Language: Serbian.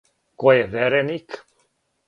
Ко је вереник?